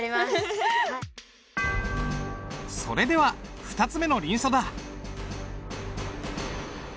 それでは２つ目の臨書だ。